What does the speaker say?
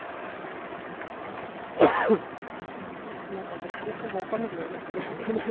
私、方向が分からなくなりましたね。